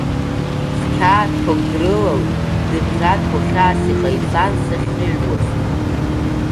Сқьаадқәак дрылалт дыбӷьаҭуа, хьаас иҟаиҵан сахьыҩуаз.